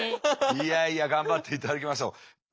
いやいや頑張っていただきましょう。